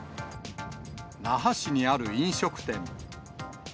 那覇市にある飲食店。